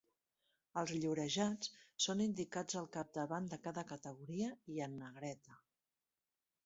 Els llorejats són indicats al capdavant de cada categoria i en negreta.